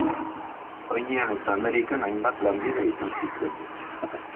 Espainian eta Amerikan hainbat lanbide izan zituen.